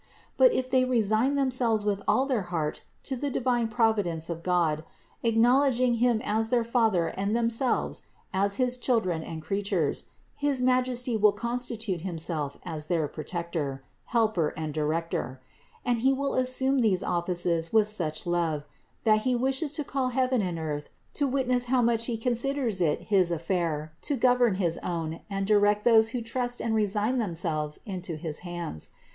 But if they resign themselves with all their heart to the divine Providence of God, acknowledging him as their Father and them selves as his children and creatures, his Majesty will con stitute Himself as their Protector, Helper and Director; and He will assume these offices with such love that He wishes to call heaven and earth to witness how much He considers it his affair to govern his own and direct those who trust and resign themselves into his hands.